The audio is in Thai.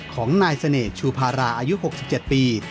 ของนายเสน่ห์ชูพาราอายุ๖๗ปี